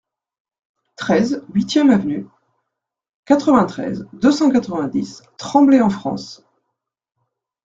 treize huitième Avenue, quatre-vingt-treize, deux cent quatre-vingt-dix, Tremblay-en-France